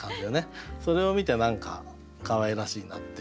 それを見て何かかわいらしいなっていうかね